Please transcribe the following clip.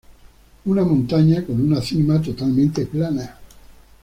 Una montaña con una cima totalmente plana.